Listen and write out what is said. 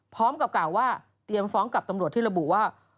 พร้อมกับกล่าวว่าเตรียมฟ้องกับตำรวจที่ระบุว่า